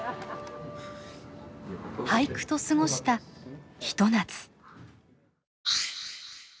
俳句と過ごした一夏。